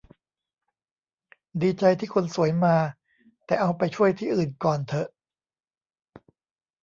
ดีใจที่คนสวยมา แต่เอาไปช่วยที่อื่นก่อนเถอะ